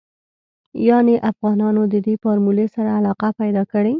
يانې افغانانو ددې فارمولې سره علاقه پيدا کړې.